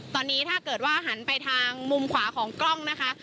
ตอนนี้ถ้าเกิดว่าหันไปทางมุมขวาของกล้องนะคะ